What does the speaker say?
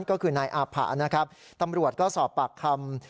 ก็คือนายอาผะนะครับตำรวจก็สอบปากคำ